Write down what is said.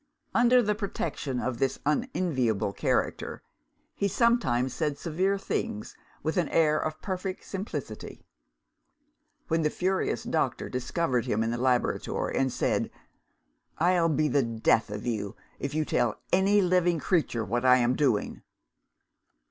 Under the protection of this unenviable character, he sometimes said severe things with an air of perfect simplicity. When the furious doctor discovered him in the laboratory, and said, "I'll be the death of you, if you tell any living creature what I am doing!"